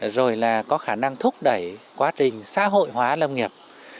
rồi là có khả năng thúc đẩy quá trình xã hội hóa lâm nghiệp